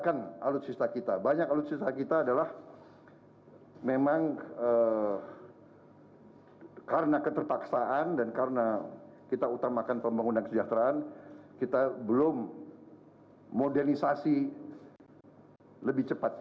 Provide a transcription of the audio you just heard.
dan dia juga mendapatkan pengajaran dari pembangunan negara selatan